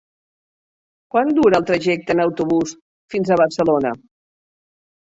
Quant dura el trajecte en autobús fins a Barcelona?